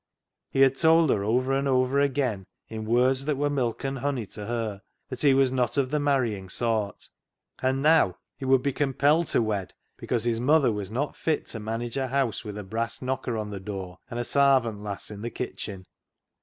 He had told her over and over again, in words that were milk and honey to her, that he was not of the marrying sort ; and now he would be compelled to wed because his mother was not fit to manage a house with a brass knocker on the door and a " sarvant lass " in the kitchen.